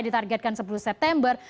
ditargetkan sepuluh september